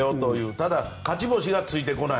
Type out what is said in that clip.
ただ、勝ち星がついてこない。